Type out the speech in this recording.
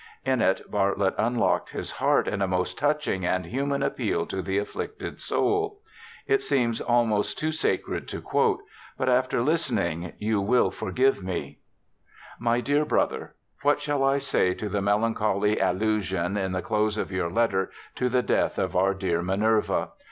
In it Bartletf unlocked his heart in a most touching and human appeal to the afflicted soul. It seems almost too sacred to quote, but after listening you will forgive me :' My dear Brother : What shall I say to the melan choly allusion, in the close of 3'our letter, to the death of our dear Minerva?